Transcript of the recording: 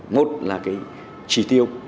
một là cái trị tiêu